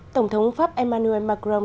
tổng thống pháp emmanuel macron